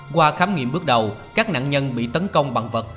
qua khám nghiệm bước đầu các nạn nhân bị tấn công bằng vật